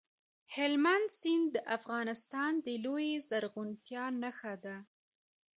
هلمند سیند د افغانستان د لویې زرغونتیا نښه ده.